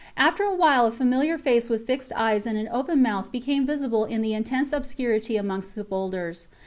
After a while a familiar face with fixed eyes and an open mouth became visible in the intense obscurity amongst the boulders.